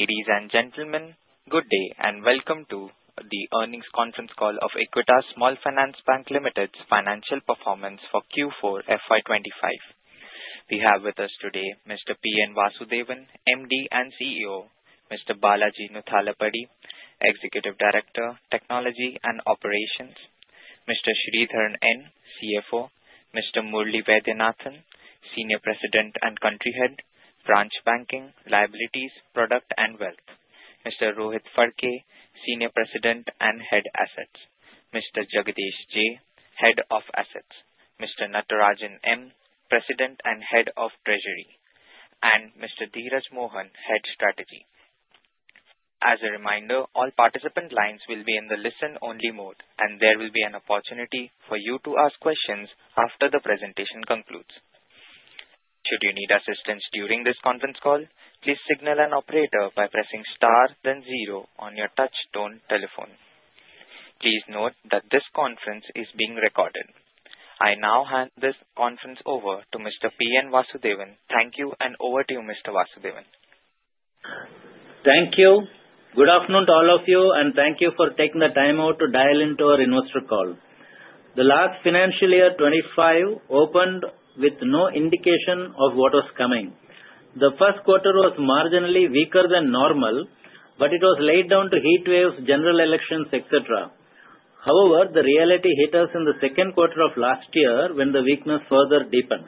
Ladies and gentlemen, good day and welcome to the earnings conference call of Equitas Small Finance Bank Limited's financial performance for Q4 FY25. We have with us today Mr. P. N. Vasudevan, MD and CEO, Mr. Balaji Nuthalapadi, Executive Director, Technology and Operations, Mr. Sridharan N., CFO, Mr. Murali Vaidyanathan, Senior President and Country Head, Branch Banking, Liabilities, Product, and Wealth, Mr. Rohit Phadke, Senior President and Head Assets, Mr. Jagadesh J, Head of Assets, Mr. Natarajan M., President and Head of Treasury, and Mr. Dheeraj Mohan, Head Strategy. As a reminder, all participant lines will be in the listen-only mode, and there will be an opportunity for you to ask questions after the presentation concludes. Should you need assistance during this conference call, please signal an operator by pressing star, then zero on your touch-tone telephone. Please note that this conference is being recorded. I now hand this conference over to Mr. P. N. Vasudevan. Thank you, and over to you, Mr. Vasudevan. Thank you. Good afternoon to all of you, and thank you for taking the time out to dial into our investor call. The last financial year 2025 opened with no indication of what was coming. The first quarter was marginally weaker than normal, but it was laid down to heat waves, general elections, etc. However, the reality hit us in the second quarter of last year when the weakness further deepened.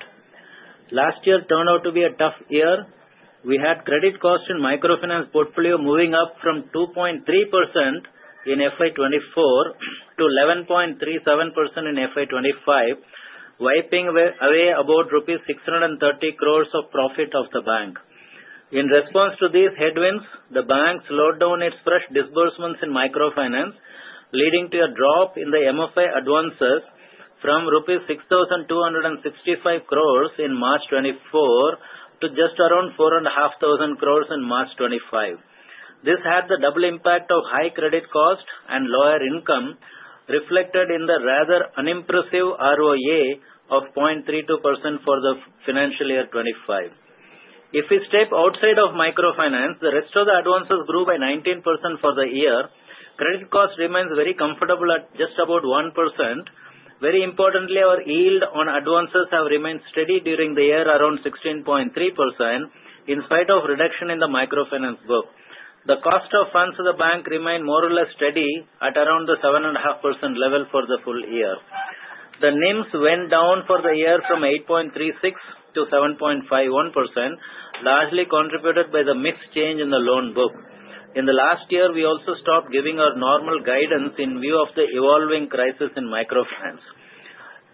Last year turned out to be a tough year. We had credit costs in microfinance portfolio moving up from 2.3% in FY24 to 11.37% in FY25, wiping away about 630 crores rupees of profit of the bank. In response to these headwinds, the bank slowed down its fresh disbursements in microfinance, leading to a drop in the MFI advances from 6,265 crores rupees in March 2024 to just around 4,500 crores in March 2025. This had the double impact of high credit cost and lower income reflected in the rather unimpressive ROA of 0.32% for the financial year 2025. If we step outside of microfinance, the rest of the advances grew by 19% for the year. Credit cost remains very comfortable at just about 1%. Very importantly, our yield on advances has remained steady during the year around 16.3% in spite of reduction in the microfinance book. The cost of funds to the bank remained more or less steady at around the 7.5% level for the full year. The NIMs went down for the year from 8.36% to 7.51%, largely contributed by the mixed change in the loan book. In the last year, we also stopped giving our normal guidance in view of the evolving crisis in microfinance.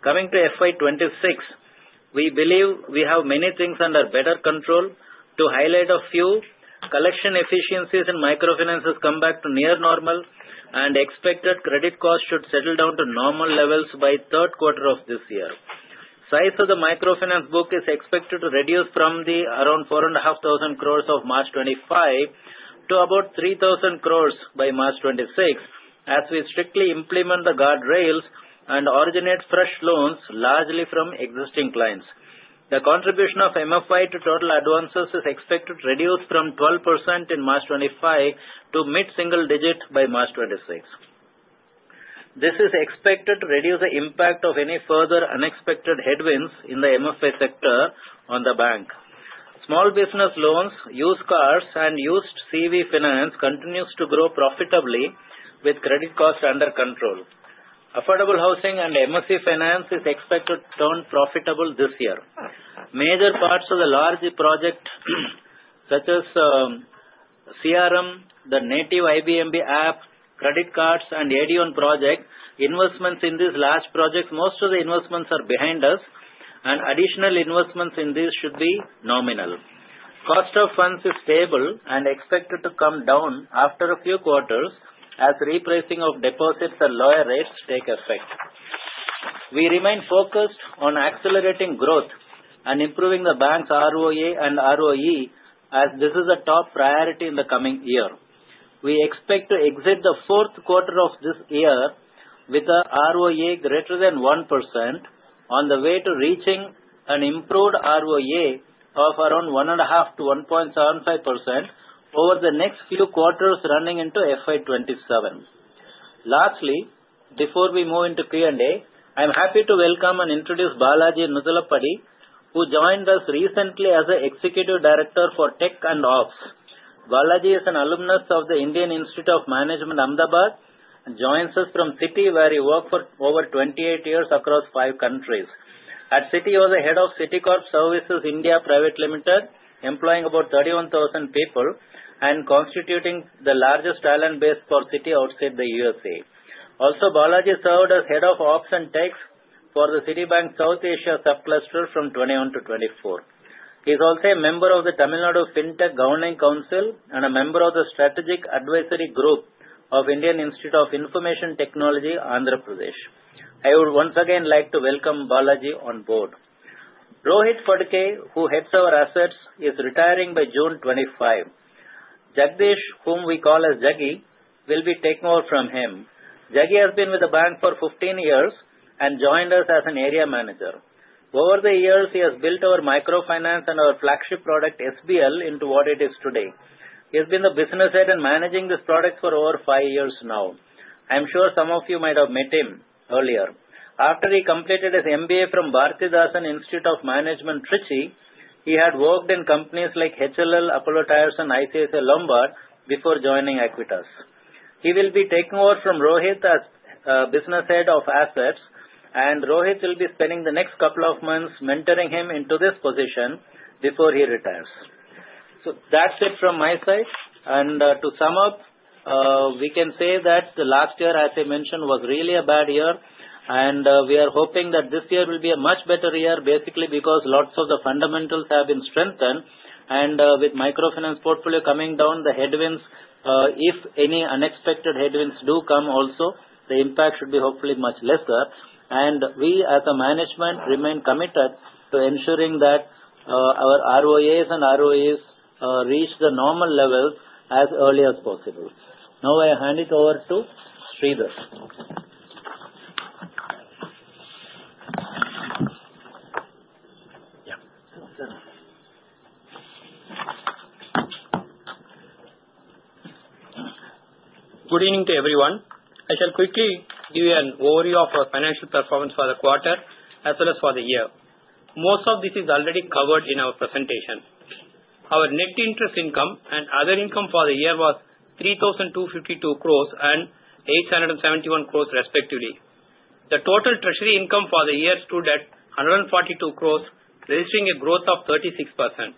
Coming to FY26, we believe we have many things under better control. To highlight a few, collection efficiencies in microfinance have come back to near normal, and expected credit costs should settle down to normal levels by the third quarter of this year. The size of the microfinance book is expected to reduce from around 4,500 crores of March 2025 to about 3,000 crores by March 2026 as we strictly implement the guardrails and originate fresh loans largely from existing clients. The contribution of MFI to total advances is expected to reduce from 12% in March 2025 to mid-single digit by March 2026. This is expected to reduce the impact of any further unexpected headwinds in the MFI sector on the bank. Small business loans, used cars, and used CV finance continue to grow profitably with credit costs under control. Affordable housing and MFI finance is expected to turn profitable this year. Major parts of the large projects such as CRM, the native IBMB app, credit cards, and AD1 project investments in these large projects, most of the investments are behind us, and additional investments in these should be nominal. The cost of funds is stable and expected to come down after a few quarters as repricing of deposits and lower rates take effect. We remain focused on accelerating growth and improving the bank's ROA and ROE as this is a top priority in the coming year. We expect to exit the fourth quarter of this year with an ROA greater than 1% on the way to reaching an improved ROA of around 1.5% to 1.75% over the next few quarters running into FY27. Lastly, before we move into Q&A, I'm happy to welcome and introduce Balaji Nuthalapadi, who joined us recently as an Executive Director for Tech and Ops. Balaji is an alumnus of the Indian Institute of Management, Ahmedabad, and joins us from Citi, where he worked for over 28 years across five countries. At Citi, he was the head of Citicorp Services India Private Limited, employing about 31,000 people and constituting the largest island base for Citi outside the USA. Also, Balaji served as Head of Ops and Tech for the Citibank South Asia Subcluster from 2021 to 2024. He is also a member of the Tamil Nadu FinTech Governing Council and a member of the Strategic Advisory Group of the Indian Institute of Information Technology, Andhra Pradesh. I would once again like to welcome Balaji on board. Rohit Phadke, who heads our assets, is retiring by June 2025. Jagadeesh, whom we call as Jagi, will be taking over from him. Jagi has been with the bank for 15 years and joined us as an area manager. Over the years, he has built our microfinance and our flagship product, SBL, into what it is today. He has been the business head and managing this product for over five years now. I'm sure some of you might have met him earlier. After he completed his MBA from Bharathidasan Institute of Management, Trichy, he had worked in companies like HLL, Apollo Tyres, and ICICI Lombard before joining Equitas. He will be taking over from Rohit as business head of assets, and Rohit will be spending the next couple of months mentoring him into this position before he retires. So that's it from my side. To sum up, we can say that the last year, as I mentioned, was really a bad year, and we are hoping that this year will be a much better year, basically because lots of the fundamentals have been strengthened. With the microfinance portfolio coming down, the headwinds, if any unexpected headwinds do come also, the impact should be hopefully much lesser. We, as a management, remain committed to ensuring that our ROAs and ROEs reach the normal level as early as possible. Now, I hand it over to Sridhar. Good evening to everyone. I shall quickly give you an overview of our financial performance for the quarter as well as for the year. Most of this is already covered in our presentation. Our net interest income and other income for the year was 3,252 crores and 871 crores, respectively. The total treasury income for the year stood at 142 crores, registering a growth of 36%.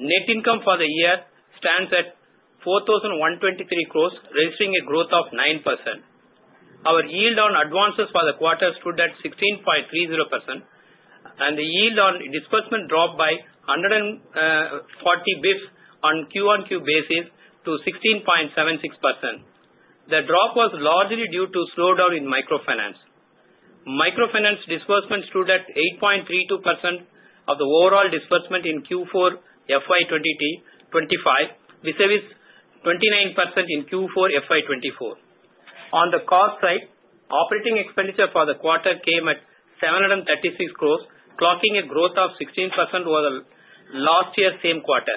Net income for the year stands at 4,123 crores, registering a growth of 9%. Our yield on advances for the quarter stood at 16.30%, and the yield on disbursement dropped by 140 basis points on Q on Q basis to 16.76%. The drop was largely due to a slowdown in microfinance. Microfinance disbursement stood at 8.32% of the overall disbursement in Q4 FY25, besides 29% in Q4 FY24. On the cost side, operating expenditure for the quarter came at 736 crores, clocking a growth of 16% over the last year's same quarter.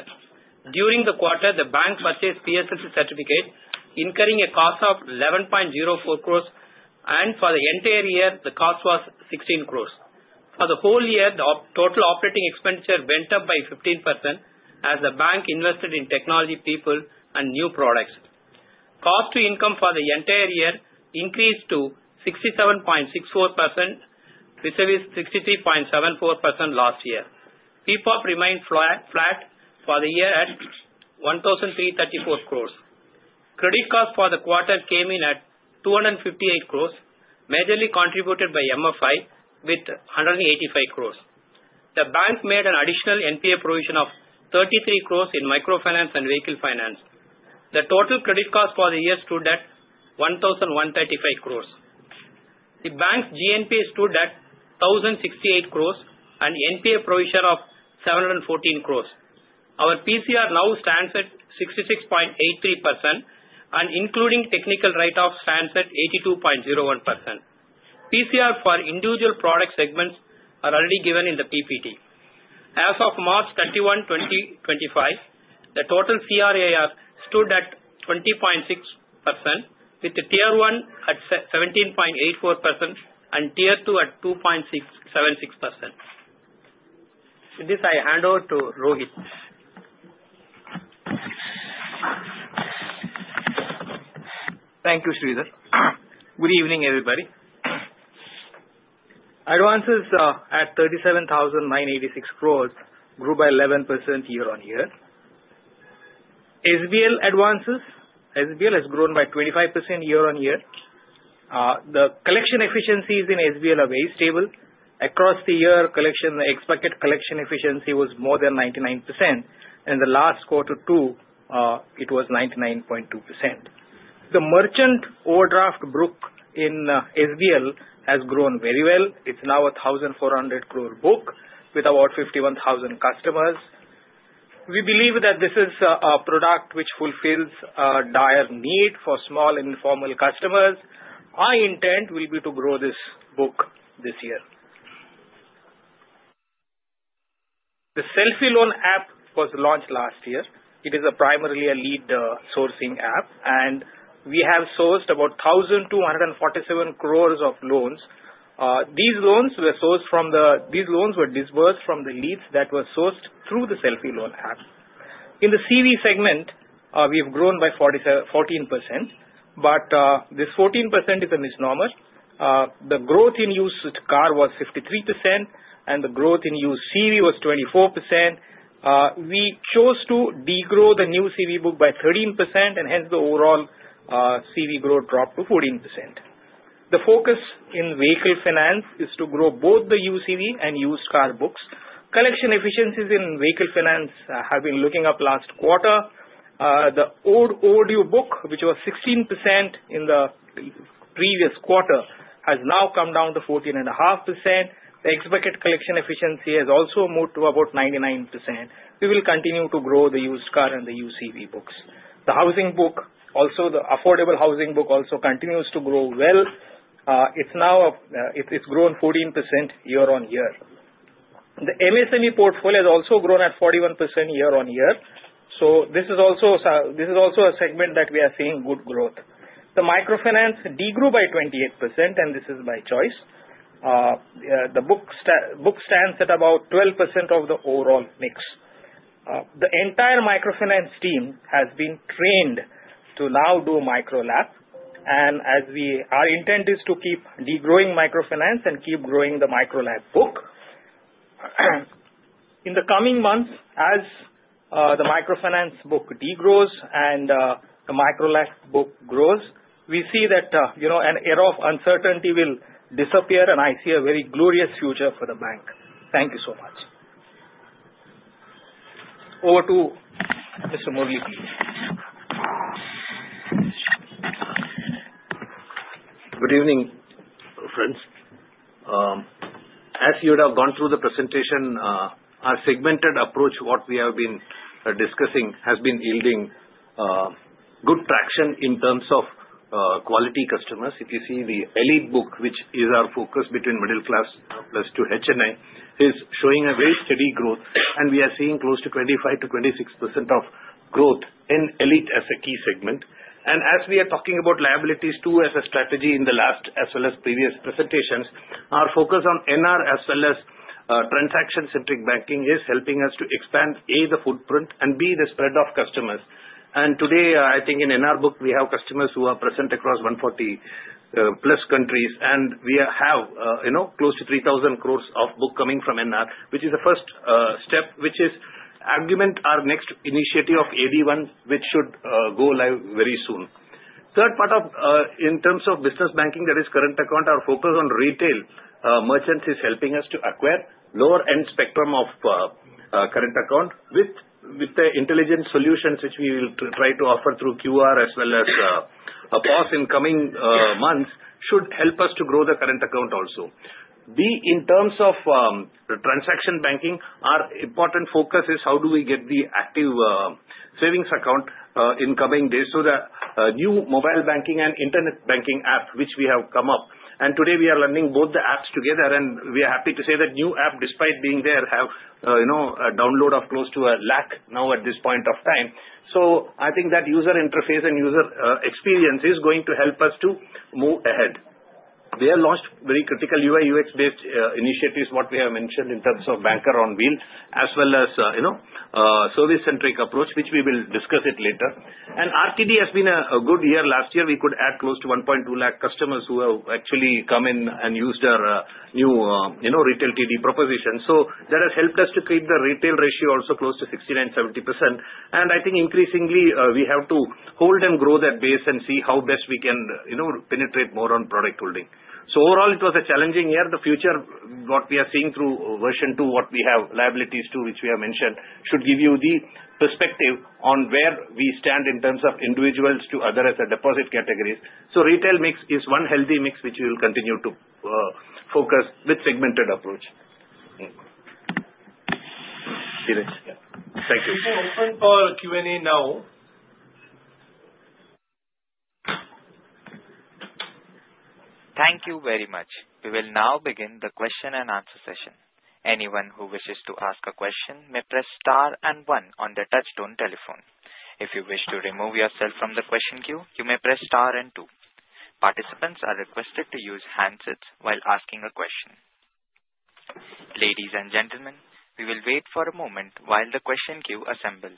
During the quarter, the bank purchased PSLC certificates, incurring a cost of 11.04 crores, and for the entire year, the cost was 16 crores. For the whole year, the total operating expenditure went up by 15% as the bank invested in technology, people, and new products. Cost-to-income for the entire year increased to 67.64% from 63.74% last year. PPOP remained flat for the year at 1,334 crores. Credit cost for the quarter came in at 258 crores, majorly contributed by MFI with 185 crores. The bank made an additional NPA provision of 33 crores in microfinance and vehicle finance. The total credit cost for the year stood at 1,135 crores. The bank's GNPA stood at 1,068 crores and NPA provision of 714 crores. Our PCR now stands at 66.83%, and including technical write-off stands at 82.01%. PCR for individual product segments are already given in the PPT. As of March 31, 2025, the total CRAR stood at 20.6%, with Tier 1 at 17.84% and Tier 2 at 2.76%. With this, I hand over to Rohit. Thank you, Sridhar. Good evening, everybody. Advances at 37,986 crores grew by 11% year on year. SBL advances has grown by 25% year on year. The collection efficiencies in SBL are very stable. Across the year, the expected collection efficiency was more than 99%. In the last quarter two, it was 99.2%. The merchant overdraft book in SBL has grown very well. It's now a 1,400 crore book with about 51,000 customers. We believe that this is a product which fulfills a dire need for small and informal customers. Our intent will be to grow this book this year. The Selfe loan app was launched last year. It is primarily a lead sourcing app, and we have sourced about 1,247 crores of loans. These loans were disbursed from the leads that were sourced through the Selfe loan app. In the CV segment, we have grown by 14%, but this 14% is a misnomer. The growth in used car was 53%, and the growth in used CV was 24%. We chose to degrow the new CV book by 13%, and hence the overall CV growth dropped to 14%. The focus in vehicle finance is to grow both the used CV and used car books. Collection efficiencies in vehicle finance have been looking up last quarter. The old auto book, which was 16% in the previous quarter, has now come down to 14.5%. The expected collection efficiency has also moved to about 99%. We will continue to grow the used car and the used CV books. The housing book, also the affordable housing book, also continues to grow well. It's now, it's grown 14% year on year. The MSME portfolio has also grown at 41% year on year. So this is also a segment that we are seeing good growth. The microfinance degrew by 28%, and this is by choice. The book stands at about 12% of the overall mix. The entire microfinance team has been trained to now do Micro LAP, and our intent is to keep degrowing microfinance and keep growing the Micro LAP book. In the coming months, as the microfinance book degrows and the Micro LAP book grows, we see that an era of uncertainty will disappear, and I see a very glorious future for the bank. Thank you so much. Over to Mr. Murali, please. Good evening, friends. As you would have gone through the presentation, our segmented approach, what we have been discussing, has been yielding good traction in terms of quality customers. If you see the elite book, which is our focus between middle class plus to HNI, is showing a very steady growth, and we are seeing close to 25%-26% of growth in elite as a key segment, and as we are talking about liabilities too as a strategy in the last as well as previous presentations, our focus on NR as well as transaction-centric banking is helping us to expand A, the footprint, and B, the spread of customers. Today, I think in NR book, we have customers who are present across 140-plus countries, and we have close to 3,000 crores of book coming from NR, which is the first step, which is augment our next initiative of AD1, which should go live very soon. Third part, in terms of business banking, that is current account, our focus on retail merchants is helping us to acquire lower-end spectrum of current account with the intelligent solutions, which we will try to offer through QR as well as POS in coming months, should help us to grow the current account also. B, in terms of transaction banking, our important focus is how do we get the active savings account in coming days so that new mobile banking and internet banking app, which we have come up, and today we are running both the apps together, and we are happy to say that new app, despite being there, have a download of close to a lakh now at this point of time. So I think that user interface and user experience is going to help us to move ahead. We have launched very critical UI/UX-based initiatives, what we have mentioned in terms of Banker on Wheels, as well as service-centric approach, which we will discuss later. And RTD has been a good year. Last year, we could add close to 1.2 lakh customers who have actually come in and used our new retail TD proposition. So that has helped us to keep the retail ratio also close to 69%-70%. And I think increasingly, we have to hold and grow that base and see how best we can penetrate more on product holding. So overall, it was a challenging year. The future, what we are seeing through version two, what we have liabilities too, which we have mentioned, should give you the perspective on where we stand in terms of individuals to other as a deposit categories. So retail mix is one healthy mix, which we will continue to focus with segmented approach. Thank you. We will open for Q&A now. Thank you very much. We will now begin the question and answer session. Anyone who wishes to ask a question may press star and one on the touch-tone telephone. If you wish to remove yourself from the question queue, you may press star and two. Participants are requested to use handsets while asking a question. Ladies and gentlemen, we will wait for a moment while the question queue assembles.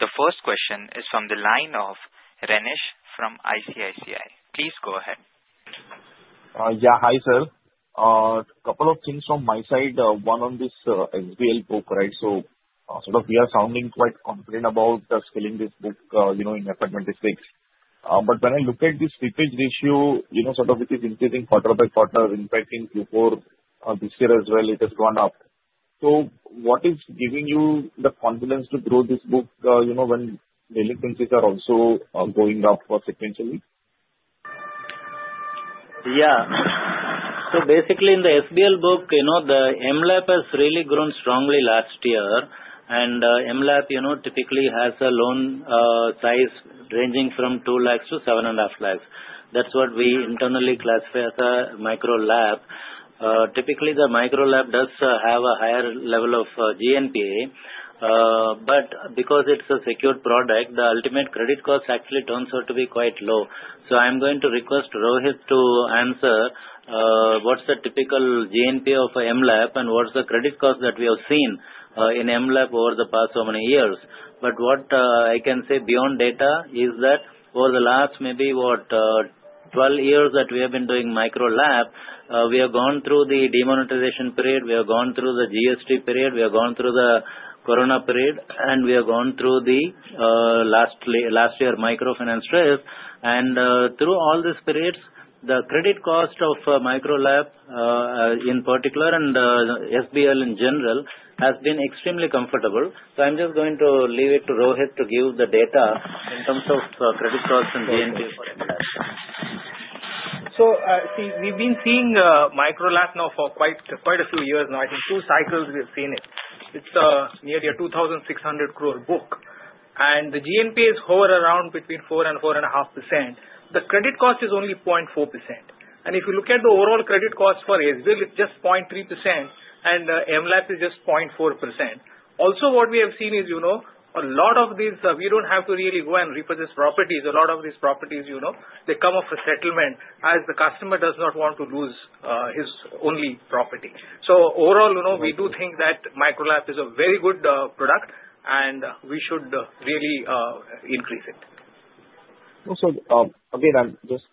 The first question is from the line of Renish from ICICI. Please go ahead. Yeah, hi sir. A couple of things from my side. One on this SBL book, right? So sort of we are sounding quite confident about scaling this book in FY26. But when I look at this slippage ratio, sort of it is increasing quarter by quarter, impacting Q4 this year as well. It has gone up. So what is giving you the confidence to grow this book when daily slippages are also going up sequentially? Yeah. So basically in the SBL book, the MLAP has really grown strongly last year. And MLAP typically has a loan size ranging from 2 lakhs to 7.5 lakhs. That's what we internally classify as a Micro LAP. Typically, the Micro LAP does have a higher level of GNPA. But because it's a secured product, the ultimate credit cost actually turns out to be quite low. So I'm going to request Rohit to answer what's the typical GNPA of MLAP and what's the credit cost that we have seen in MLAP over the past so many years. But what I can say beyond data is that over the last maybe what, 12 years that we have been doing Micro LAP, we have gone through the demonetization period, we have gone through the GST period, we have gone through the corona period, and we have gone through the last year microfinance drift. And through all these periods, the credit cost of Micro LAP in particular and SBL in general has been extremely comfortable. So I'm just going to leave it to Rohit to give the data in terms of credit cost and GNPA for MLAP. So see, we've been seeing Micro LAP now for quite a few years now. I think two cycles we've seen it. It's nearly a 2,600 crore book. And the GNPA has hovered around between 4-4.5%. The credit cost is only 0.4%. And if you look at the overall credit cost for SBL, it's just 0.3%, and MLAP is just 0.4%. Also, what we have seen is a lot of these, we don't have to really go and repurchase properties. A lot of these properties, they come off a settlement as the customer does not want to lose his only property. So overall, we do think that Micro LAP is a very good product, and we should really increase it. So again, I'm just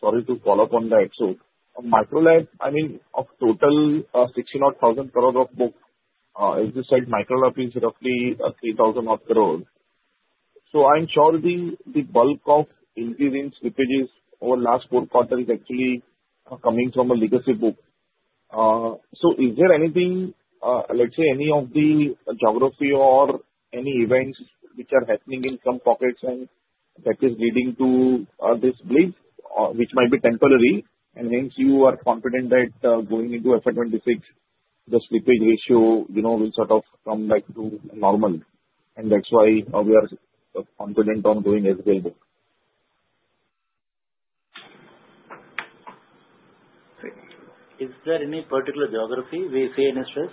sorry to follow up on that. So Micro LAP, I mean, of total 60,000 crores of book, as you said, Micro LAP is roughly 3,000 crores. So I'm sure the bulk of increments slippages over the last four quarters is actually coming from a legacy book. So is there anything, let's say, any of the geography or any events which are happening in some pockets and that is leading to this bleed, which might be temporary, and hence you are confident that going into FY26, the slippage ratio will sort of come back to normal? And that's why we are confident on going SBL book. Is there any particular geography we see any stress?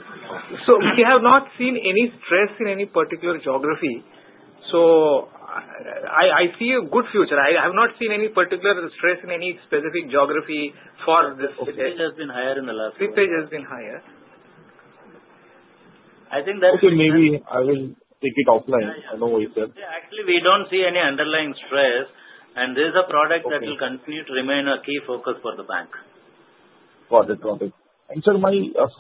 So we have not seen any stress in any particular geography. So I see a good future. I have not seen any particular stress in any specific geography for this slippage. Slippage has been higher in the last year. Slippage has been higher. I think that's. Actually, maybe I will take it offline. I don't know what you said. Actually, we don't see any underlying stress, and this is a product that will continue to remain a key focus for the bank. Got it. Got it. And sir, my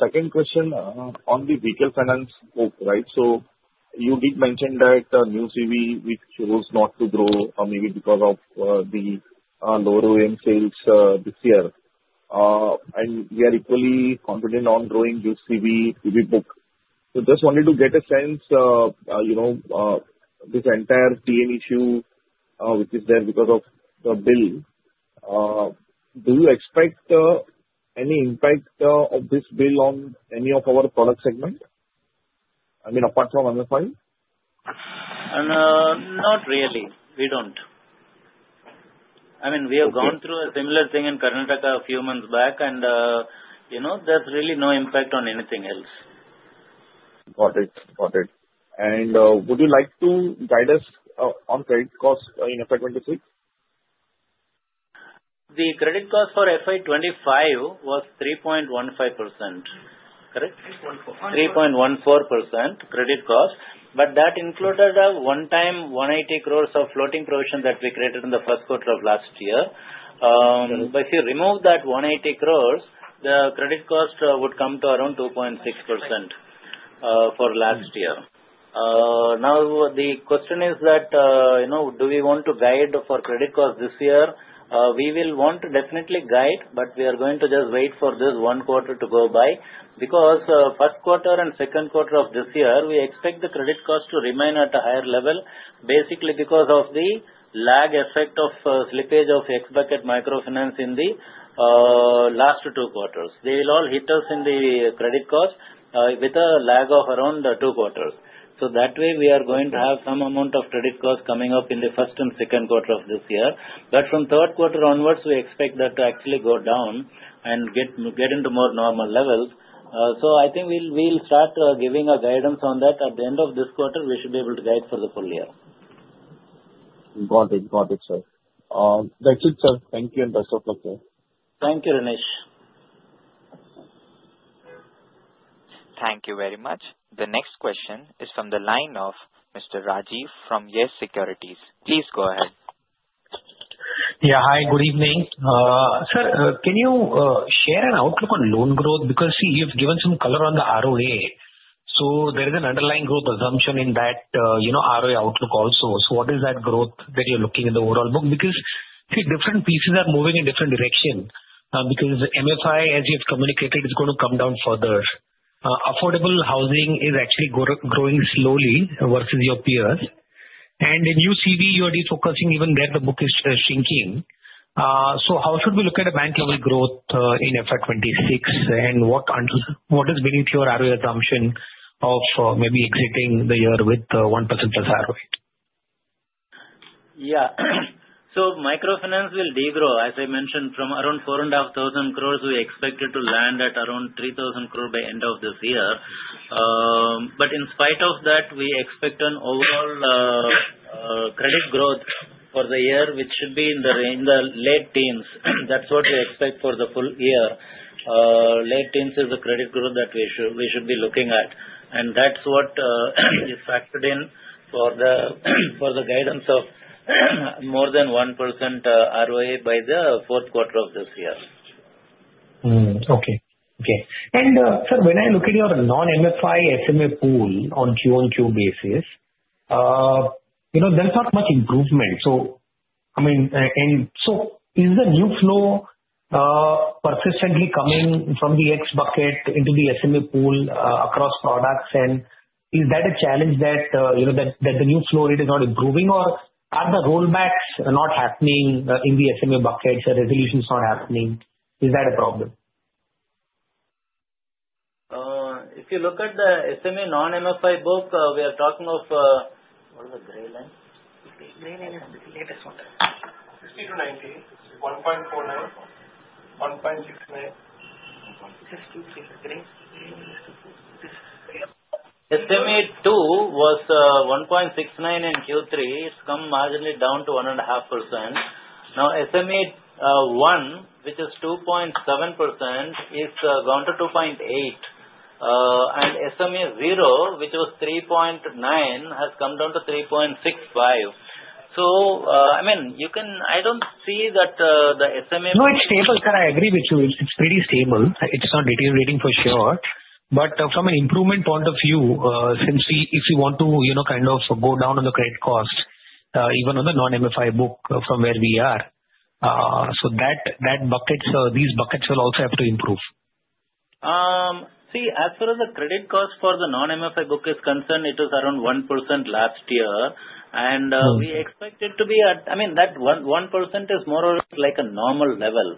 second question on the vehicle finance book, right? So you did mention that new CV, which shows not to grow maybe because of the lower OEM sales this year. And we are equally confident on growing new CV, CV book. So just wanted to get a sense, this entire TN issue, which is there because of the bill, do you expect any impact of this bill on any of our product segment? I mean, apart from MFI? Not really. We don't. I mean, we have gone through a similar thing in Karnataka a few months back, and there's really no impact on anything else. Got it. Got it. And would you like to guide us on credit cost in FY26? The credit cost for FY25 was 3.15%. Correct? 3.14% credit cost. But that included a one-time 180 crores of floating provision that we created in the first quarter of last year. But if you remove that 180 crores, the credit cost would come to around 2.6% for last year. Now, the question is that do we want to guide for credit cost this year? We will want to definitely guide, but we are going to just wait for this one quarter to go by because first quarter and second quarter of this year, we expect the credit cost to remain at a higher level, basically because of the lag effect of slippage of expected microfinance in the last two quarters. They will all hit us in the credit cost with a lag of around two quarters. So that way, we are going to have some amount of credit cost coming up in the first and second quarter of this year. But from third quarter onwards, we expect that to actually go down and get into more normal levels. So I think we'll start giving a guidance on that at the end of this quarter. We should be able to guide for the full year. Got it. Got it, sir. That's it, sir. Thank you and best of luck. Thank you, Renish. Thank you very much. The next question is from the line of Mr. Rajiv from Yes Securities. Please go ahead. Yeah, hi, good evening. Sir, can you share an outlook on loan growth? Because see, you've given some color on the ROA. So there is an underlying growth assumption in that ROA outlook also. So what is that growth that you're looking at the overall book? Because see, different pieces are moving in different directions. Because MFI, as you've communicated, is going to come down further. Affordable housing is actually growing slowly versus your peers. And in new CV, you are refocusing even there, the book is shrinking. So how should we look at the bank-level growth in FY26? And what has been your ROA assumption of maybe exiting the year with 1% plus ROA? Yeah. So microfinance will degrow, as I mentioned, from around 4.5 thousand crores. We expect it to land at around 3,000 crores by end of this year. But in spite of that, we expect an overall credit growth for the year, which should be in the late teens. That's what we expect for the full year. Late teens is the credit growth that we should be looking at. And that's what is factored in for the guidance of more than 1% ROA by the fourth quarter of this year. And sir, when I look at your non-MFI SMA pool on Q1, Q basis, there's not much improvement. So I mean, and so is the new flow persistently coming from the X bucket into the SMA pool across products? And is that a challenge that the new flow rate is not improving, or are the rollbacks not happening in the SMA buckets? The resolution is not happening. Is that a problem? If you look at the SMA non-MFI book, we are talking of what is the gray line? Gray line is the latest one. 60-90, 1.49%, 1.69%. SMA 2 was 1.69% in Q3. It's come marginally down to 1.5%. Now, SMA 1, which is 2.7%, is down to 2.8%. And SMA 0, which was 3.9%, has come down to 3.65%. So I mean, I don't see that the SMA. No, it's stable. Sir, I agree with you. It's pretty stable. It's not deteriorating for sure. But from an improvement point of view, since if you want to kind of go down on the credit cost, even on the non-MFI book from where we are, so these buckets will also have to improve. See, as far as the credit cost for the non-MFI book is concerned, it was around 1% last year. And we expect it to be at. I mean, that 1% is more or less like a normal level.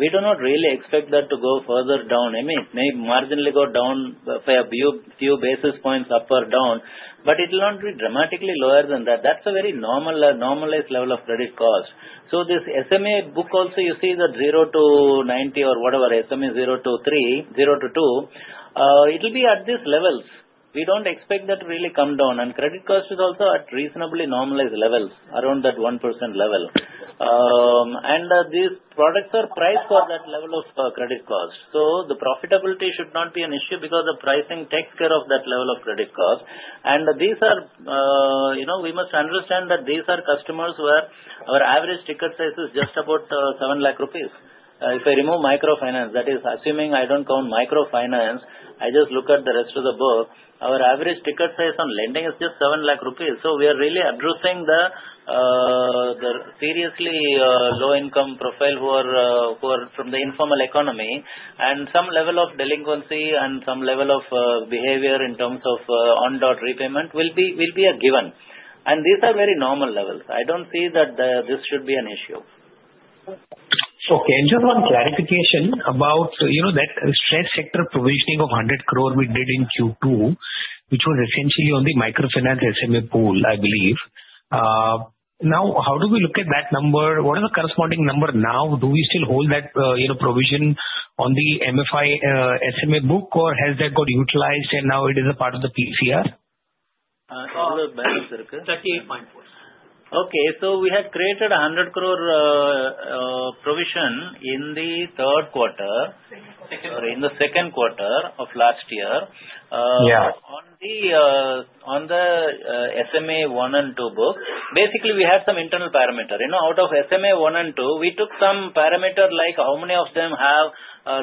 We do not really expect that to go further down. I mean, it may marginally go down by a few basis points up or down, but it will not be dramatically lower than that. That's a very normalized level of credit cost. So this SMA book also, you see that 0 to 90 or whatever, SMA 0 to 2, it will be at these levels. We don't expect that to really come down. And credit cost is also at reasonably normalized levels, around that 1% level. And these products are priced for that level of credit cost. The profitability should not be an issue because the pricing takes care of that level of credit cost, and we must understand that these are customers where our average ticket size is just about 700,000 rupees. If I remove microfinance, that is assuming I don't count microfinance, I just look at the rest of the book, our average ticket size on lending is just 700,000 rupees, so we are really addressing the seriously low-income profile who are from the informal economy, and some level of delinquency and some level of behavior in terms of on-dot repayment will be a given, and these are very normal levels. I don't see that this should be an issue. Okay. And just one clarification about that stressed sector provisioning of 100 crores we did in Q2, which was essentially on the microfinance SMA pool, I believe. Now, how do we look at that number? What is the corresponding number now? Do we still hold that provision on the MFI SMA book, or has that got utilized, and now it is a part of the PCR? It's a little better. 38.4. Okay. So we have created a 100 crore provision in the third quarter, sorry, in the second quarter of last year. On the SMA 1 and 2 books, basically, we have some internal parameter. Out of SMA 1 and 2, we took some parameter like how many of them have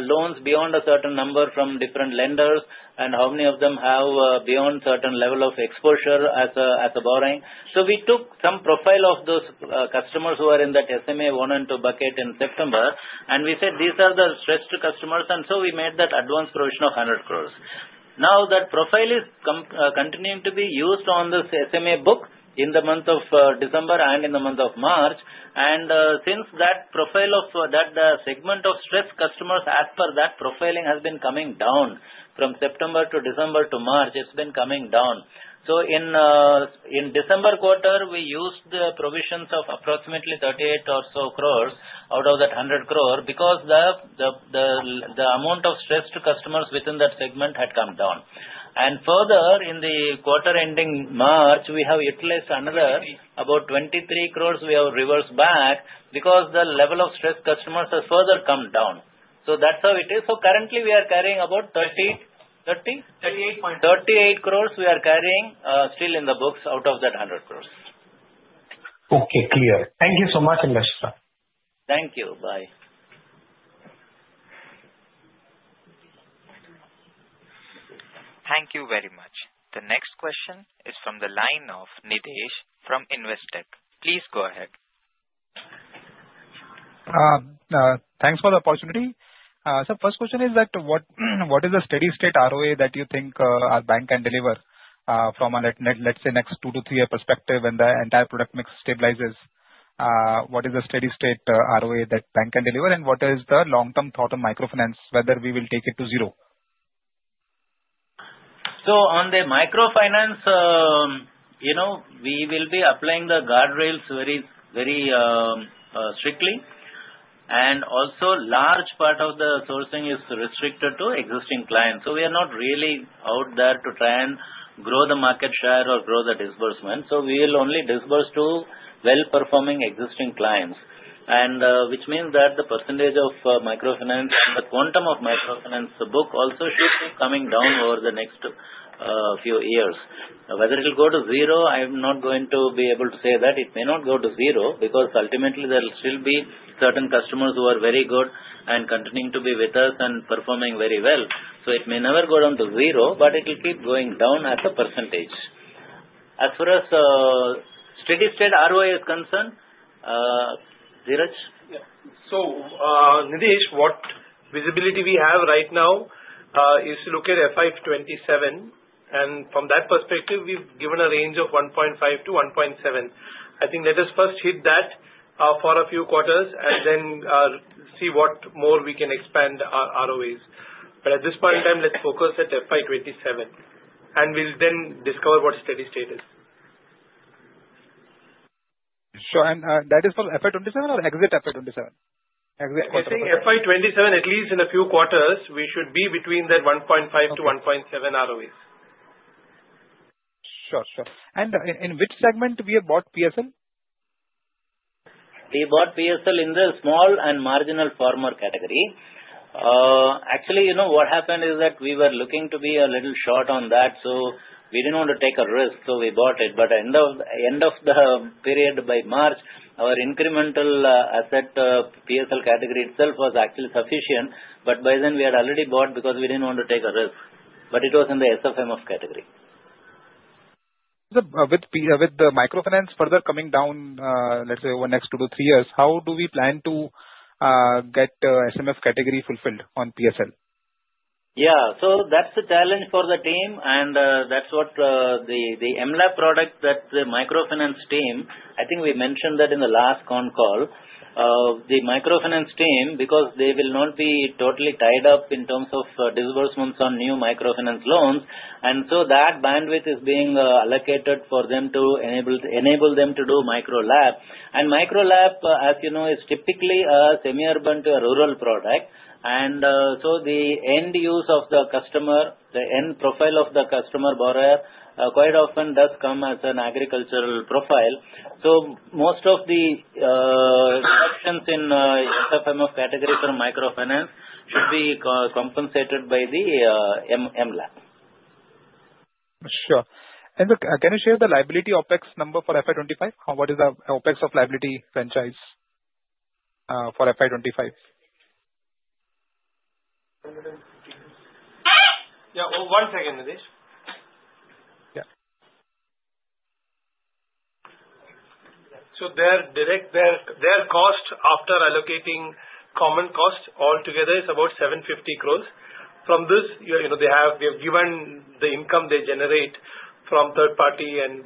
loans beyond a certain number from different lenders, and how many of them have beyond certain level of exposure as a borrowing. So we took some profile of those customers who are in that SMA 1 and 2 bucket in September, and we said these are the stressed customers. And so we made that advance provision of 100 crores. Now, that profile is continuing to be used on this SMA book in the month of December and in the month of March. Since that profile of that segment of stressed customers, as per that profiling, has been coming down from September to December to March, it's been coming down. In December quarter, we used the provisions of approximately 38 or so crores out of that 100 crores because the amount of stressed customers within that segment had come down. Further, in the quarter ending March, we have utilized another about 23 crores we have reversed back because the level of stressed customers has further come down. That's how it is. Currently, we are carrying about 38.3. 38 crores we are carrying still in the books out of that 100 crores. Okay. Clear. Thank you so much, Industry. Thank you. Bye. Thank you very much. The next question is from the line of Nitesh from Investec. Please go ahead. Thanks for the opportunity. So first question is that what is the steady-state ROA that you think a bank can deliver from a, let's say, next two- to three-year perspective when the entire product mix stabilizes? What is the steady-state ROA that a bank can deliver, and what is the long-term thought on microfinance, whether we will take it to zero? So on the microfinance, we will be applying the guardrails very strictly. And also, a large part of the sourcing is restricted to existing clients. So we are not really out there to try and grow the market share or grow the disbursement. So we will only disburse to well-performing existing clients, which means that the percentage of microfinance, the quantum of microfinance, the book also should be coming down over the next few years. Whether it will go to zero, I'm not going to be able to say that. It may not go to zero because ultimately, there will still be certain customers who are very good and continuing to be with us and performing very well. So it may never go down to zero, but it will keep going down at a percentage. As far as steady-state ROA is concerned, Dheeraj? Yeah. So Nitesh, what visibility we have right now is to look at FY27. And from that perspective, we've given a range of 1.5-1.7. I think let us first hit that for a few quarters and then see what more we can expand our ROAs. But at this point in time, let's focus at FY27, and we'll then discover what steady-state is. Sure. And that is for FY27 or exit FY27? Exit quarter? I think FY27, at least in a few quarters, we should be between that 1.5 to 1.7 ROAs. Sure. Sure. In which segment do we have bought PSL? We bought PSLC in the small and marginal farmer category. Actually, what happened is that we were looking to be a little short on that, so we didn't want to take a risk, so we bought it. But at the end of the period by March, our incremental asset PSLC category itself was actually sufficient. But by then, we had already bought because we didn't want to take a risk. But it was in the SFMF category. With the microfinance further coming down, let's say, over next two to three years, how do we plan to get SMF category fulfilled on PSL? Yeah, so that's the challenge for the team, and that's what the MLAP product that the microfinance team, I think we mentioned that in the last con call, the microfinance team, because they will not be totally tied up in terms of disbursements on new microfinance loans. And so that bandwidth is being allocated for them to enable them to do micro-LAP. And micro-LAP, as you know, is typically a semi-urban to a rural product. And so the end use of the customer, the end profile of the customer borrower, quite often does come as an agricultural profile. So most of the sections in SFMF category for microfinance should be compensated by the MLAP. Sure. And can you share the liability OPEX number for FY25? What is the OPEX of liability franchise for FY25? Yeah. One second, Nitesh. Yeah. So their cost after allocating common cost altogether is about 750 crores. From this, they have given the income they generate from third party and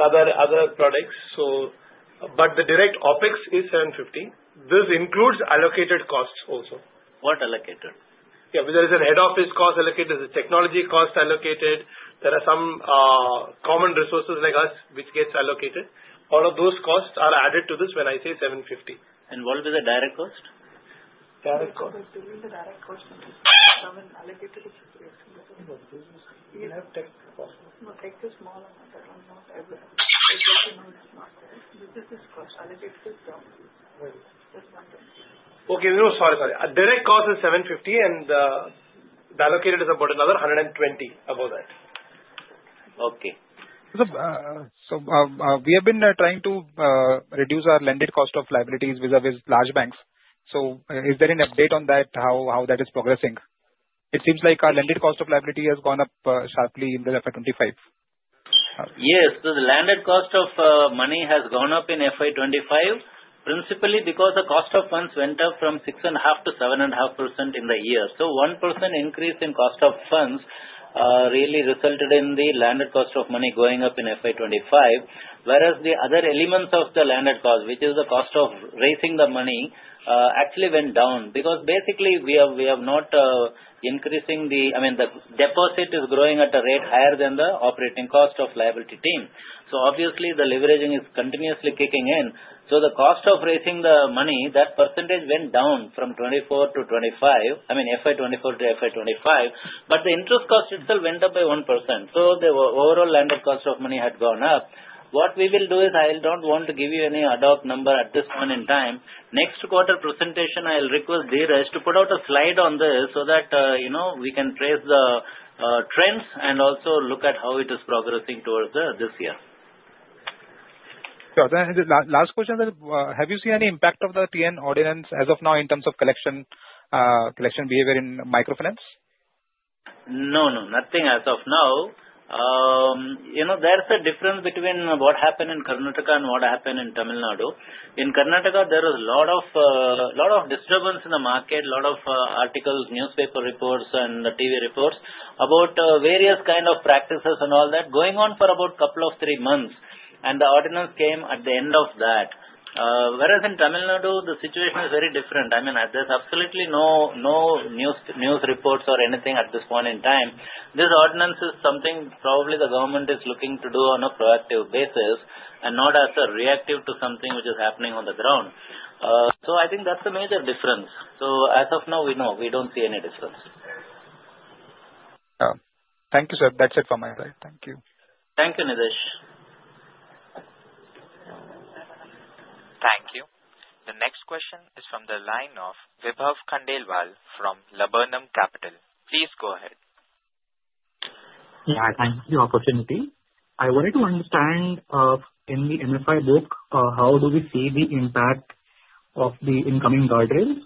other products. But the direct OPEX is 750. This includes allocated costs also. What allocated? Yeah. There is a head office cost allocated, there is a technology cost allocated, there are some common resources like us which gets allocated. All of those costs are added to this when I say 750. What is the direct cost? Direct cost. I think the direct cost is allocated to the business. You have tech cost. No, tech is small amount. I don't know. I just know it's not there. This is its cost. Allocated to the job. It's 120. Direct cost is 750, and the allocated is about another 120 above that. Okay. So we have been trying to reduce our lending cost of liabilities vis-à-vis large banks. So is there an update on that, how that is progressing? It seems like our lending cost of liability has gone up sharply in the FY25. Yes. The lending cost of money has gone up in FY25, principally because the cost of funds went up from 6.5% to 7.5% in the year. So 1% increase in cost of funds really resulted in the lending cost of money going up in FY25, whereas the other elements of the lending cost, which is the cost of raising the money, actually went down. Because basically, we are not increasing the I mean, the deposit is growing at a rate higher than the operating cost of liability team. So obviously, the leveraging is continuously kicking in. So the cost of raising the money, that percentage went down from 24 to 25, I mean, FY24 to FY25. But the interest cost itself went up by 1%. So the overall lending cost of money had gone up. What we will do is I don't want to give you any ad hoc number at this point in time. Next quarter presentation, I'll request Dheeraj to put out a slide on this so that we can trace the trends and also look at how it is progressing towards this year. Sure. Last question then. Have you seen any impact of the TN ordinance as of now in terms of collection behavior in microfinance? No, no. Nothing as of now. There's a difference between what happened in Karnataka and what happened in Tamil Nadu. In Karnataka, there was a lot of disturbance in the market, a lot of articles, newspaper reports, and TV reports about various kinds of practices and all that going on for about a couple of three months, and the ordinance came at the end of that. Whereas in Tamil Nadu, the situation is very different. I mean, there's absolutely no news reports or anything at this point in time. This ordinance is something probably the government is looking to do on a proactive basis and not as reactive to something which is happening on the ground, so I think that's the major difference, so as of now, we don't see any difference. Yeah. Thank you, sir. That's it from my side. Thank you. Thank you, Mateus. Thank you. The next question is from the line of Vibhav Khandelwal from Laburnum Capital. Please go ahead. Yeah. Thank you for the opportunity. I wanted to understand in the MFI book, how do we see the impact of the incoming guardrails?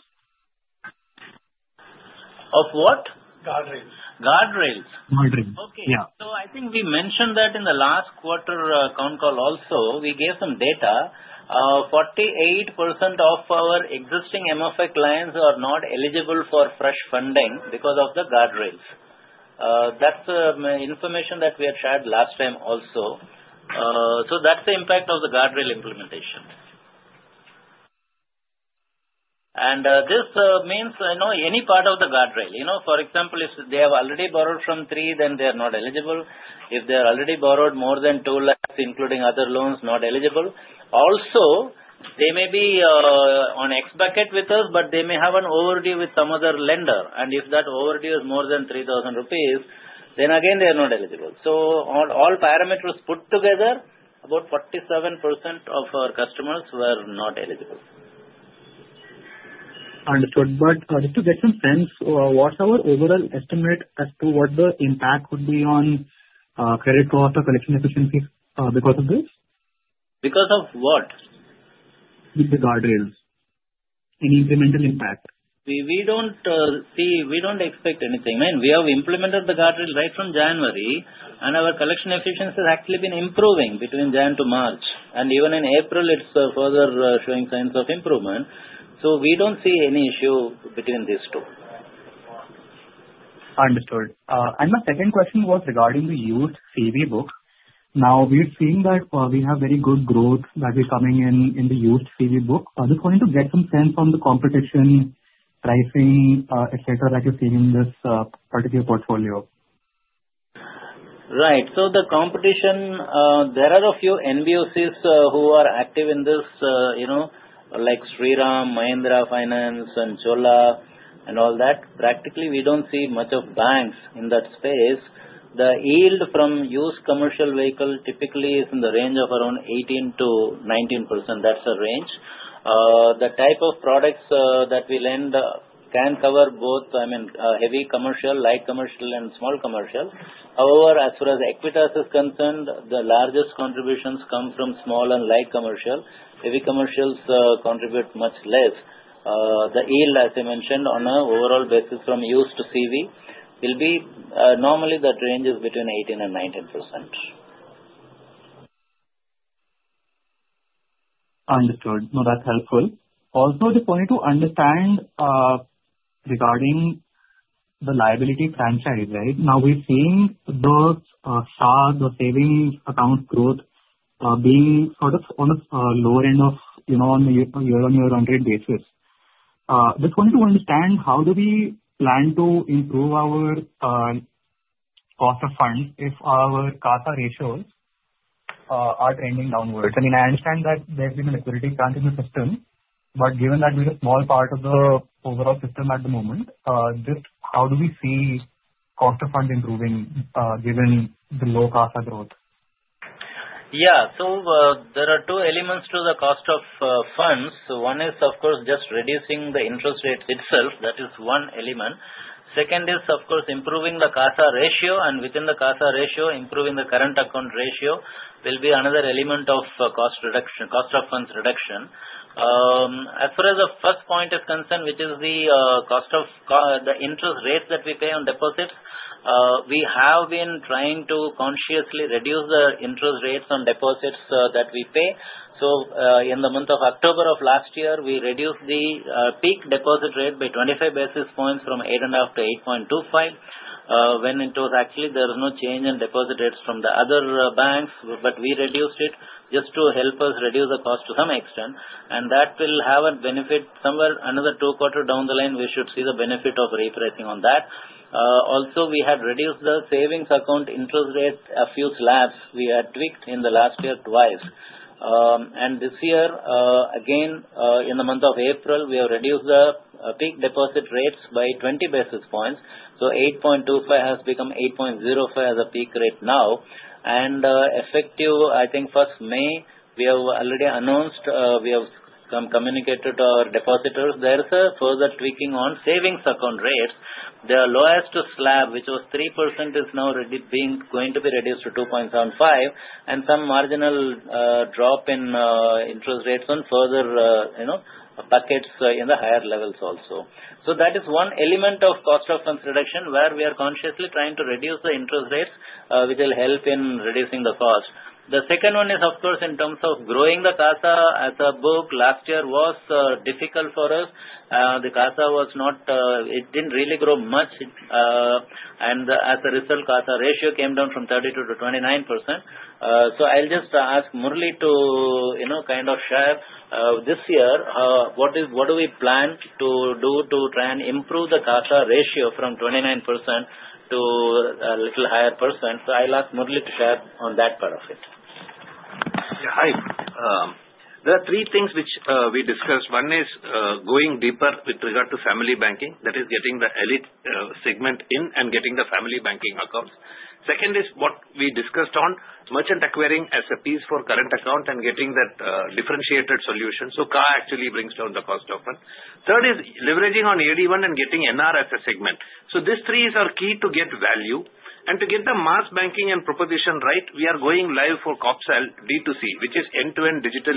Of what? Guardrails. Guardrails. Guardrails. Yeah. Okay. So I think we mentioned that in the last quarter con call also. We gave some data. 48% of our existing MFI clients are not eligible for fresh funding because of the guardrails. That's the information that we had shared last time also. So that's the impact of the guardrail implementation. And this means any part of the guardrail. For example, if they have already borrowed from three, then they are not eligible. If they have already borrowed more than two lakhs, including other loans, not eligible. Also, they may be on X bucket with us, but they may have an overdue with some other lender. And if that overdue is more than 3,000 rupees, then again, they are not eligible. So on all parameters put together, about 47% of our customers were not eligible. Understood. But just to get some sense, what's our overall estimate as to what the impact would be on credit cost or collection efficiency because of this? Because of what? With the guardrails. Any incremental impact? We don't expect anything. I mean, we have implemented the guardrail right from January, and our collection efficiency has actually been improving between January to March, and even in April, it's further showing signs of improvement, so we don't see any issue between these two. Understood. And my second question was regarding the used CV book. Now, we've seen that we have very good growth that is coming in the used CV book. I just wanted to get some sense on the competition, pricing, etc., that you've seen in this particular portfolio. Right. So the competition, there are a few NBFCs who are active in this, like Sriram, Mahindra Finance, and Chola, and all that. Practically, we don't see much of banks in that space. The yield from used commercial vehicle typically is in the range of around 18%-19%. That's the range. The type of products that we lend can cover both, I mean, heavy commercial, light commercial, and small commercial. However, as far as Equitas is concerned, the largest contributions come from small and light commercial. Heavy commercials contribute much less. The yield, as I mentioned, on an overall basis from used CV will be normally that range is between 18%-19%. Understood. No, that's helpful. Also, the point to understand regarding the liability franchise, right? Now, we're seeing the CASA, the savings account growth, being sort of on the lower end on a year-on-year rate basis. Just wanted to understand how do we plan to improve our cost of funds if our CASA ratios are trending downwards? I mean, I understand that there's been an equity placement in the system, but given that we're a small part of the overall system at the moment, just how do we see cost of funds improving given the low CASA growth? Yeah. So there are two elements to the cost of funds. One is, of course, just reducing the interest rate itself. That is one element. Second is, of course, improving the CASA ratio, and within the CASA ratio, improving the current account ratio will be another element of cost reduction, cost of funds reduction. As far as the first point is concerned, which is the cost of the interest rates that we pay on deposits, we have been trying to consciously reduce the interest rates on deposits that we pay. So in the month of October of last year, we reduced the peak deposit rate by 25 basis points from 8.5%-8.25%, when it was actually there was no change in deposit rates from the other banks, but we reduced it just to help us reduce the cost to some extent. And that will have a benefit somewhere another two quarters down the line. We should see the benefit of repricing on that. Also, we had reduced the savings account interest rate a few slabs. We had tweaked in the last year twice. And this year, again, in the month of April, we have reduced the peak deposit rates by 20 basis points. So 8.25 has become 8.05 as a peak rate now. And effective, I think, 1st May, we have already announced. We have communicated to our depositors. There is a further tweaking on savings account rates. The lowest slab, which was 3%, is now going to be reduced to 2.75, and some marginal drop in interest rates on further buckets in the higher levels also. So that is one element of cost of funds reduction where we are consciously trying to reduce the interest rates, which will help in reducing the cost. The second one is, of course, in terms of growing the CASA as a book, last year was difficult for us. The CASA didn't really grow much. And as a result, CASA ratio came down from 32% to 29%. So I'll just ask Murli to kind of share this year, what do we plan to do to try and improve the CASA ratio from 29% to a little higher %? So I'll ask Murli to share on that part of it. Yeah. Hi. There are three things which we discussed. One is going deeper with regard to family banking, that is getting the elite segment in and getting the family banking accounts. Second is what we discussed on merchant acquiring Apps for current account and getting that differentiated solution. So CA actually brings down the cost of funds. Third is leveraging on AD1 and getting NR as a segment. So these three are key to get value. And to get the mass banking and proposition right, we are going live for Corp Sal D2C, which is end-to-end digital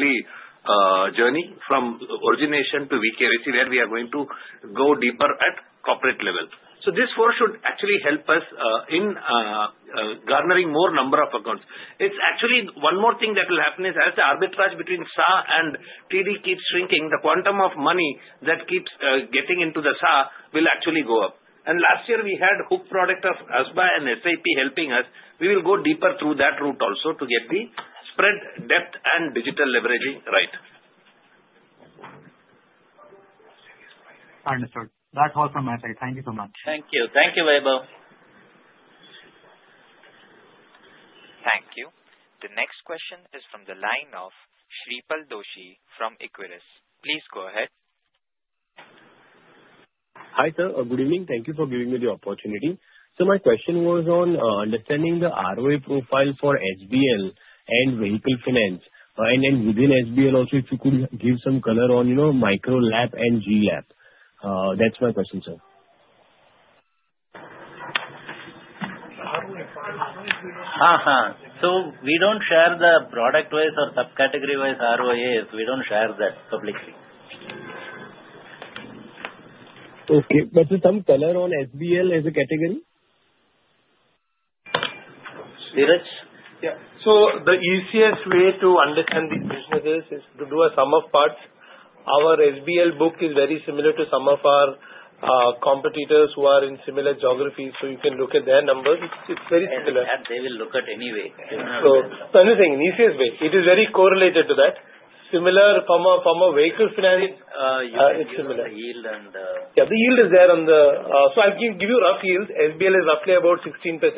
journey from origination to V-KYC, where we are going to go deeper at corporate level. So these four should actually help us in garnering more number of accounts. It's actually one more thing that will happen is as the arbitrage between SA and TD keeps shrinking, the quantum of money that keeps getting into the SA will actually go up. Last year, we had hook product of ASBA and SAP helping us. We will go deeper through that route also to get the spread depth and digital leveraging right. Understood. That's all from my side. Thank you so much. Thank you. Thank you, Vibhav. Thank you. The next question is from the line of Shreepal Donje from Equirus. Please go ahead. Hi, sir. Good evening. Thank you for giving me the opportunity. So my question was on understanding the ROI profile for SBL and vehicle finance, and then within SBL also, if you could give some color on Micro LAP and G Lab. That's my question, sir. So we don't share the product-wise or subcategory-wise ROIs. We don't share that publicly. Okay, but some color on SBL as a category? Dheeraj? Yeah, so the easiest way to understand these businesses is to do a sum of parts. Our SBL book is very similar to some of our competitors who are in similar geographies, so you can look at their numbers. It's very similar. Yeah. They will look at anyway. So I'm just saying, in easiest way, it is very correlated to that. Similar from a vehicle finance, it's similar. Yeah. The yield is there on the, so I'll give you rough yield. SBL is roughly about 16%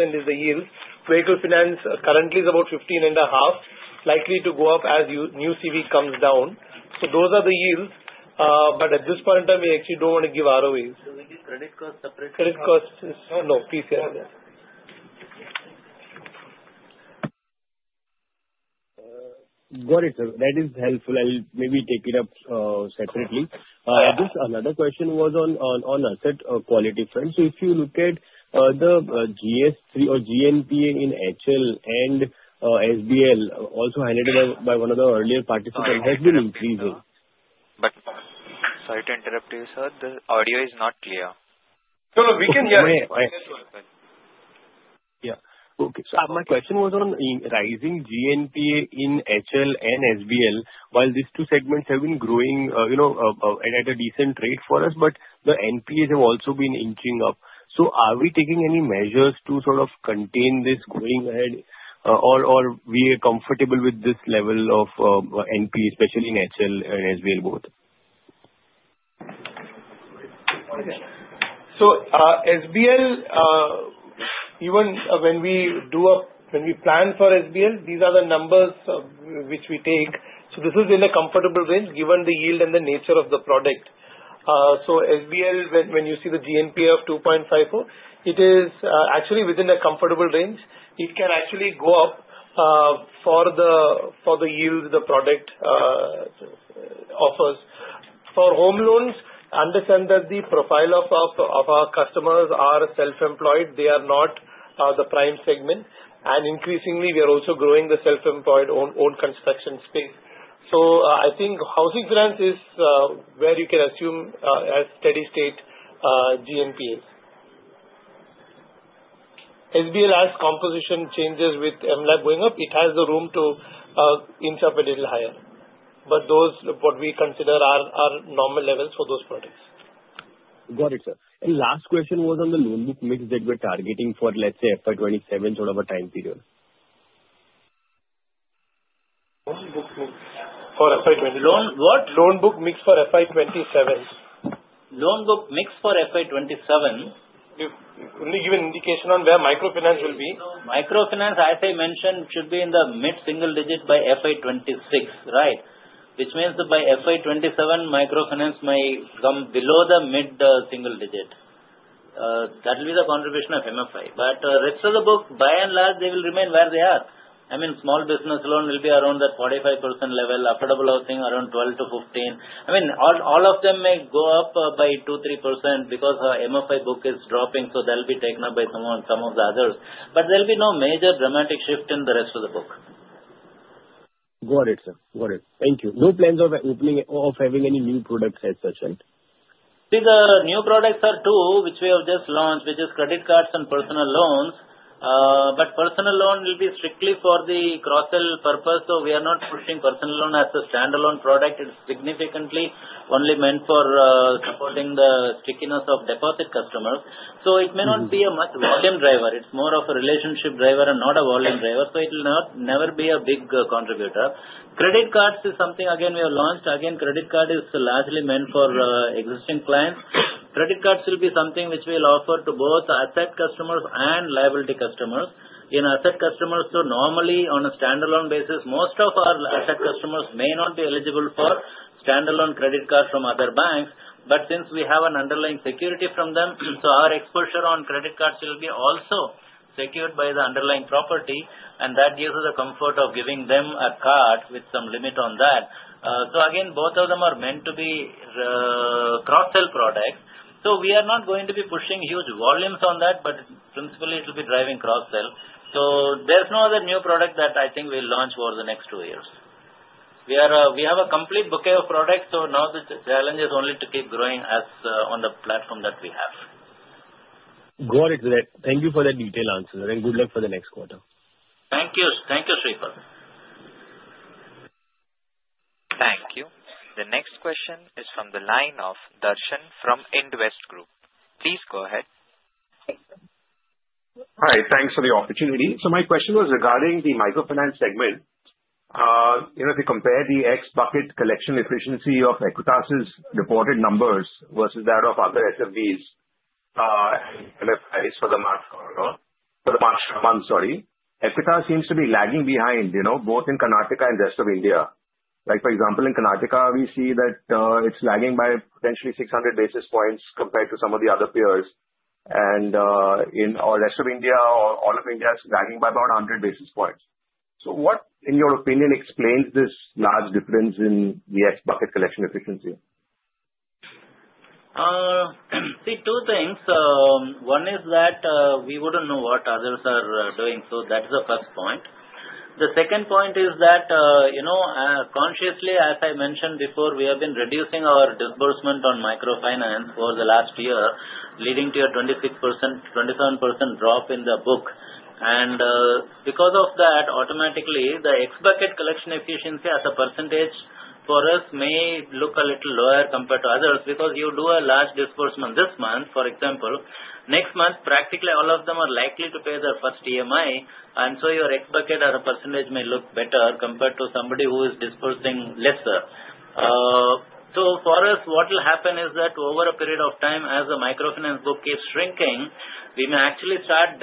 is the yield. Vehicle finance currently is about 15.5%, likely to go up as new CV comes down. So those are the yields. But at this point in time, we actually don't want to give ROIs. So we give credit cost separately? Credit cost is no, PCR. Got it, sir. That is helpful. I'll maybe take it up separately. Just another question was on asset quality front, so if you look at the Stage 3 or GNPA in HL and SBL, also highlighted by one of the earlier participants, has been increasing. Sorry to interrupt you, sir. The audio is not clear. No, no. We can hear you. That's fine. Yeah. Okay, so my question was on rising GNPA in HL and SBL, while these two segments have been growing at a decent rate for us, but the NPAs have also been inching up, so are we taking any measures to sort of contain this going ahead, or we are comfortable with this level of NPA, especially in HL and SBL both? SBL, even when we do when we plan for SBL, these are the numbers which we take. This is in a comfortable range given the yield and the nature of the product. SBL, when you see the GNPA of 2.54%, it is actually within a comfortable range. It can actually go up for the yield the product offers. For home loans, understand that the profile of our customers are self-employed. They are not the prime segment. And increasingly, we are also growing the self-employed own construction space. I think housing finance is where you can assume a steady state GNPA. SBL has composition changes with MLAP going up. It has the room to inch up a little higher. But those are what we consider are normal levels for those products. Got it, sir. And last question was on the loan book mix that we're targeting for, let's say, FY27 sort of a time period. Loan book mix for FY27? What? Loan book mix for FY27? Loan book mix for FY27? If only give an indication on where microfinance will be. Microfinance, as I mentioned, should be in the mid-single digit by FY26, right? Which means that by FY27, microfinance may come below the mid-single digit. That will be the contribution of MFI. But the rest of the book, by and large, they will remain where they are. I mean, small business loan will be around that 45% level, affordable housing around 12%-15%. I mean, all of them may go up by 2%-3% because MFI book is dropping, so they'll be taken up by some of the others. But there'll be no major dramatic shift in the rest of the book. Got it, sir. Got it. Thank you. No plans of having any new products as such, right? See, the new products are two, which we have just launched, which is credit cards and personal loans. But personal loan will be strictly for the cross-sell purpose, so we are not pushing personal loan as a standalone product. It's significantly only meant for supporting the stickiness of deposit customers. So it may not be a much volume driver. It's more of a relationship driver and not a volume driver, so it will never be a big contributor. Credit cards is something, again, we have launched. Again, credit card is largely meant for existing clients. Credit cards will be something which we'll offer to both asset customers and liability customers. In asset customers, so normally on a standalone basis, most of our asset customers may not be eligible for standalone credit cards from other banks. But since we have an underlying security from them, so our exposure on credit cards will be also secured by the underlying property, and that gives us the comfort of giving them a card with some limit on that. So again, both of them are meant to be cross-sell products. So we are not going to be pushing huge volumes on that, but principally, it will be driving cross-sell. So there's no other new product that I think we'll launch over the next two years. We have a complete bouquet of products, so now the challenge is only to keep growing on the platform that we have. Got it, Dheeraj. Thank you for that detailed answer, and good luck for the next quarter. Thank you. Thank you, Shreepal. Thank you. The next question is from the line of Darshan from Indvest Group. Please go ahead. Hi. Thanks for the opportunity. So my question was regarding the microfinance segment. If you compare the X bucket collection efficiency of Equitas's reported numbers versus that of other SFBs for the March month, sorry, Equitas seems to be lagging behind, both in Karnataka and rest of India. For example, in Karnataka, we see that it's lagging by potentially 600 basis points compared to some of the other peers. And in rest of India, all of India is lagging by about 100 basis points. So what, in your opinion, explains this large difference in the X bucket collection efficiency? See, two things. One is that we wouldn't know what others are doing, so that's the first point. The second point is that consciously, as I mentioned before, we have been reducing our disbursement on microfinance for the last year, leading to a 27% drop in the book. And because of that, automatically, the X bucket collection efficiency as a percentage for us may look a little lower compared to others because you do a large disbursement this month, for example. Next month, practically all of them are likely to pay their first EMI, and so your X bucket as a percentage may look better compared to somebody who is disbursing lesser. For us, what will happen is that over a period of time, as the microfinance book keeps shrinking, we may actually start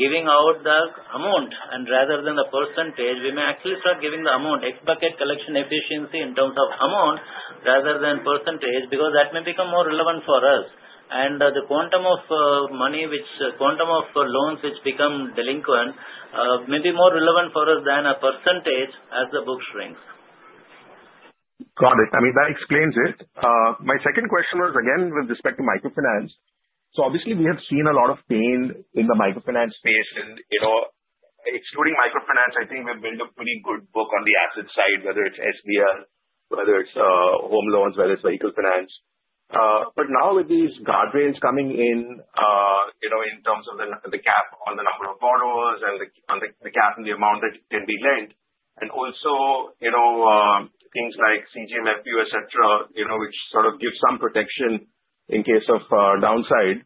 giving out the amount, and rather than the percentage, we may actually start giving the amount, X bucket collection efficiency in terms of amount rather than percentage because that may become more relevant for us. The quantum of money, which quantum of loans which become delinquent, may be more relevant for us than a percentage as the book shrinks. Got it. I mean, that explains it. My second question was, again, with respect to microfinance. So obviously, we have seen a lot of pain in the microfinance space. And excluding microfinance, I think we've built a pretty good book on the asset side, whether it's SBL, whether it's home loans, whether it's vehicle finance. But now with these guardrails coming in in terms of the cap on the number of borrowers and the cap on the amount that can be lent, and also things like CGFMU, etc., which sort of gives some protection in case of downside,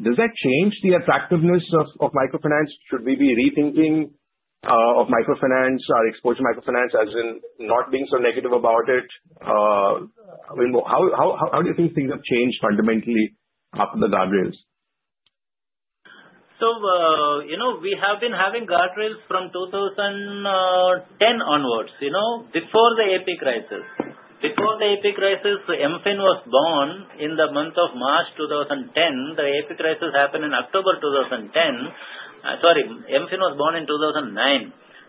does that change the attractiveness of microfinance? Should we be rethinking of microfinance or exposure to microfinance as in not being so negative about it? How do you think things have changed fundamentally after the guardrails? So we have been having guardrails from 2010 onwards, before the AP crisis. Before the AP crisis, MFIN was born in the month of March 2010. The AP crisis happened in October 2010. Sorry, MFIN was born in 2009.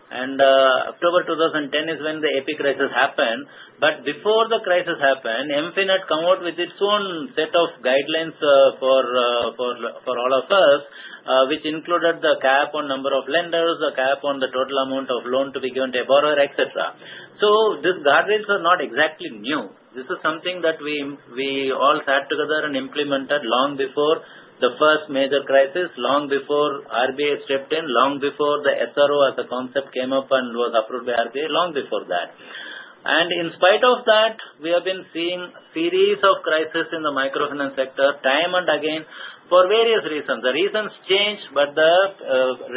And October 2010 is when the AP crisis happened. But before the crisis happened, MFIN had come out with its own set of guidelines for all of us, which included the cap on number of lenders, the cap on the total amount of loan to be given to a borrower, etc. So these guardrails are not exactly new. This is something that we all sat together and implemented long before the first major crisis, long before RBI stepped in, long before the SRO as a concept came up and was approved by RBI, long before that. And in spite of that, we have been seeing a series of crises in the microfinance sector time and again for various reasons. The reasons change, but the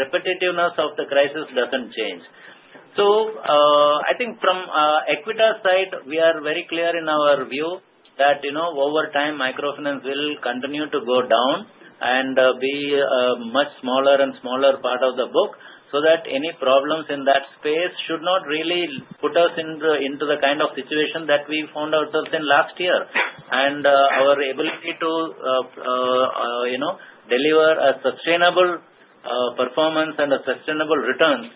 repetitiveness of the crisis doesn't change. So I think from Equitas' side, we are very clear in our view that over time, microfinance will continue to go down and be a much smaller and smaller part of the book so that any problems in that space should not really put us into the kind of situation that we found ourselves in last year. And our ability to deliver a sustainable performance and a sustainable return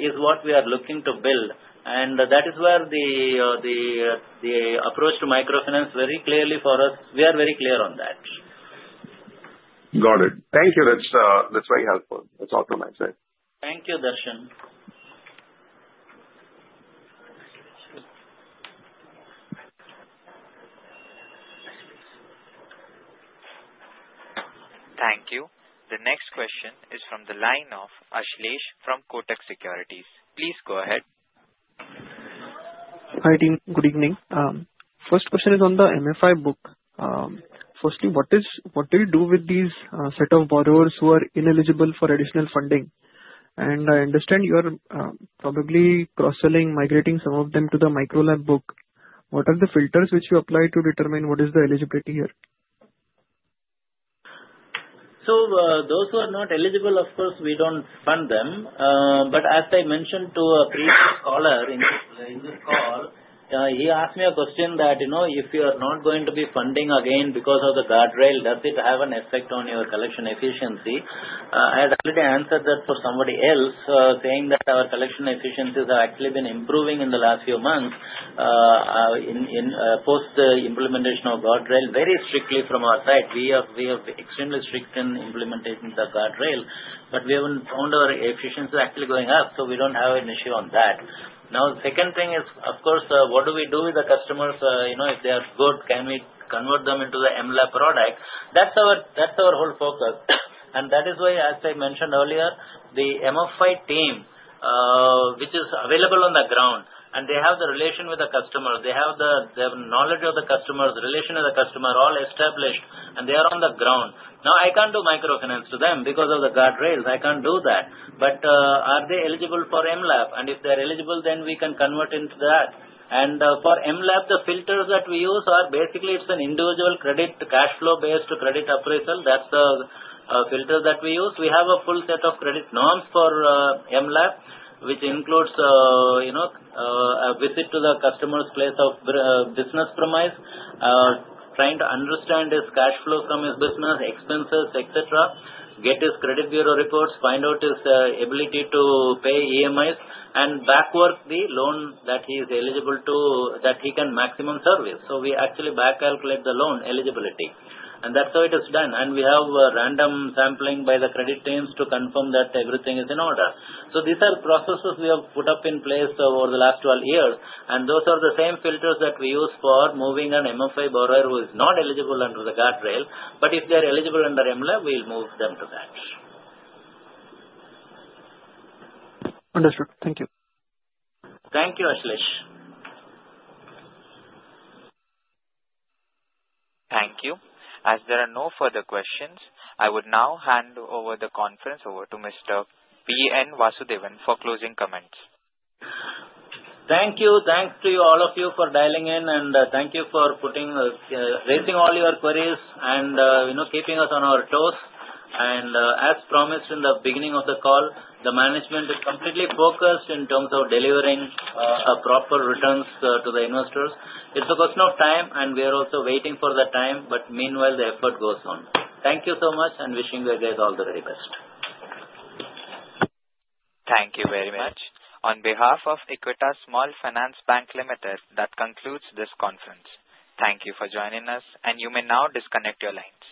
is what we are looking to build. And that is where the approach to microfinance very clearly for us, we are very clear on that. Got it. Thank you. That's very helpful. That's all from my side. Thank you, Darshan. Thank you. The next question is from the line of Ashlesh from Kotak Securities. Please go ahead. Hi, team. Good evening. First question is on the MFI book. Firstly, what do you do with these set of borrowers who are ineligible for additional funding? And I understand you are probably cross-selling, migrating some of them to the Micro LAP book. What are the filters which you apply to determine what is the eligibility here? So those who are not eligible, of course, we don't fund them. But as I mentioned to a previous caller in this call, he asked me a question that if you are not going to be funding again because of the guardrail, does it have an effect on your collection efficiency? I had already answered that for somebody else, saying that our collection efficiencies have actually been improving in the last few months post the implementation of guardrail, very strictly from our side. We are extremely strict in implementing the guardrail, but we haven't found our efficiency actually going up, so we don't have an issue on that. Now, the second thing is, of course, what do we do with the customers? If they are good, can we convert them into the MLAP product? That's our whole focus. And that is why, as I mentioned earlier, the MFI team, which is available on the ground, and they have the relation with the customer, they have the knowledge of the customer, the relation with the customer all established, and they are on the ground. Now, I can't do microfinance to them because of the guardrails. I can't do that. But are they eligible for MLAP? And if they're eligible, then we can convert into that. And for MLAP, the filters that we use are basically it's an individual credit cash flow based credit appraisal. That's the filter that we use. We have a full set of credit norms for MLAP, which includes a visit to the customer's place of business premises, trying to understand his cash flow from his business, expenses, etc., get his credit bureau reports, find out his ability to pay EMIs, and work backwards the loan that he is eligible to that he can maximum service. So we actually back-calculate the loan eligibility. And that's how it is done. And we have random sampling by the credit teams to confirm that everything is in order. So these are processes we have put in place over the last 12 years. And those are the same filters that we use for moving an MFI borrower who is not eligible under the guardrail. But if they're eligible under MLAP, we'll move them to that. Understood. Thank you. Thank you, Ashlesh. Thank you. As there are no further questions, I would now hand over the conference to Mr. P. N. Vasudevan for closing comments. Thank you. Thanks to all of you for dialing in, and thank you for raising all your queries and keeping us on our toes. And as promised in the beginning of the call, the management is completely focused in terms of delivering proper returns to the investors. It's a question of time, and we are also waiting for the time, but meanwhile, the effort goes on. Thank you so much, and wishing you guys all the very best. Thank you very much. On behalf of Equitas Small Finance Bank Limited, that concludes this conference. Thank you for joining us, and you may now disconnect your lines.